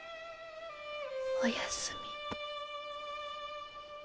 おやすみ。